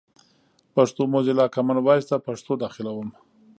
پښتو موزیلا، کامن وایس ته پښتو داخلوم.